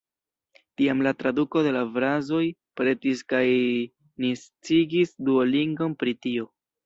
Tiam la traduko de la frazoj pretis kaj ni sciigis Duolingon pri tio.